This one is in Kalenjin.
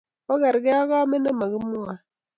Okerkei ak komet ne mo kimwoey.